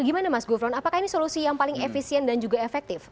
gimana mas gufron apakah ini solusi yang paling efisien dan juga efektif